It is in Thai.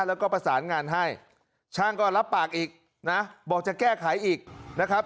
แล้วก็ประสานงานให้ช่างก็รับปากอีกนะบอกจะแก้ไขอีกนะครับ